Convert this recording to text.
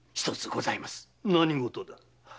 何事だ？